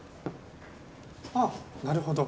ああなるほど。